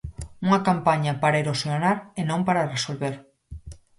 Unha campaña para erosionar e non para resolver.